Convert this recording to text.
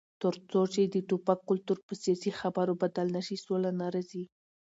تر څو چې د ټوپک کلتور په سیاسي خبرو بدل نشي، سوله نه راځي.